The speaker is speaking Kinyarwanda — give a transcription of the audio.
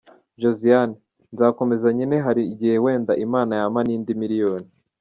Josiane: Nzakomeza nkine hari igihe wenda Imana yampa n’indi miliyoni.